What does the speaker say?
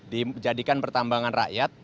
dijadikan pertambangan rakyat